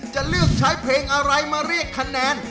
จะเลือกใช้เพลงอะไรมาเรียกคะแนน